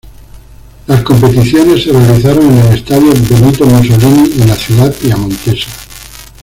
Las competiciones se realizaron en el Estadio Benito Mussolini de la ciudad piamontesa.